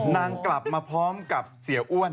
นางกลับมาพร้อมกับเสียอ้วน